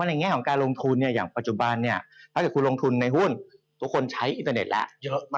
ในแง่ของการลงทุนอย่างปัจจุบันถ้าเกิดคุณลงทุนในหุ้นทุกคนใช้อินเทอร์เน็ตและ